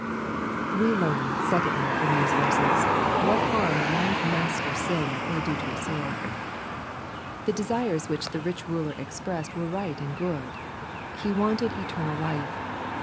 We learn, secondly, from these verses, what harm one master sin may do to a soul. The desires which the rich ruler expressed were right and good. He wanted "eternal life."